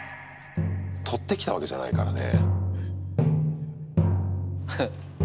とってきたわけじゃないからね。